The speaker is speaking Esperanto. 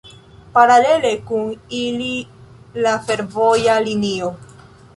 Paralele kun ili la fervoja linio.